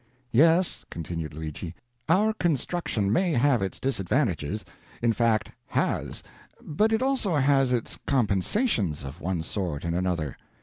"Yes," continued Luigi, "our construction may have its disadvantages in fact, HAS but it also has its compensations of one sort and another.